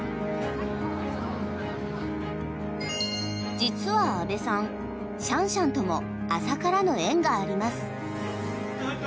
実は阿部さんシャンシャンとも浅からぬ縁があります。